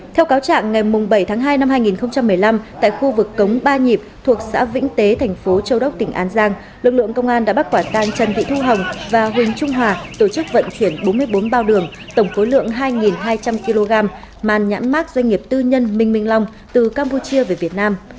theo cáo trạng ngày bảy tháng hai năm hai nghìn một mươi năm tại khu vực cống ba nhịp thuộc xã vĩnh tế thành phố châu đốc tỉnh an giang lực lượng công an đã bắt quả tang trần thị thu hồng và huỳnh trung hòa tổ chức vận chuyển bốn mươi bốn bao đường tổng khối lượng hai hai trăm linh kg màn nhãn mát doanh nghiệp tư nhân minh long từ campuchia về việt nam